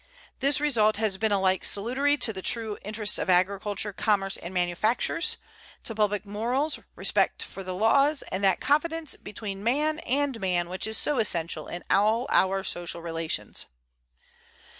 This result has been alike salutary to the true interests of agriculture, commerce, and manufactures; to public morals, respect for the laws, and that confidence between man and man which is so essential in all our social relations.